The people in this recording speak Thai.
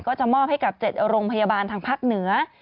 ก็จะมอบให้กับ๗โรงพยาบาลทางภาคเหนือ